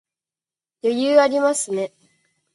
余裕ありますね